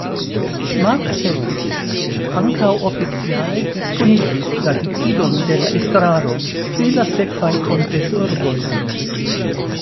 Mark Fettes ankaŭ oficiale diskonigis la decidon de la estraro pri la sekvaj kongresurboj.